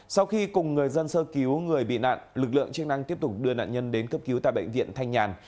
sau khi cùng người dân sơ cứu người bị nạn lực lượng chức năng tiếp tục đưa nạn nhân đến cấp cứu tại bệnh viện thanh nhàn